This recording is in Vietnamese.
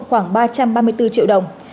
khoảng ba trăm ba mươi bốn triệu đồng